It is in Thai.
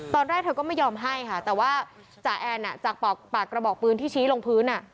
ตอนแรกเธอก็ไม่ยอมให้ค่ะแต่ว่าจ่าแอนจากปากกระบอกปืนที่ชี้ลงพื้น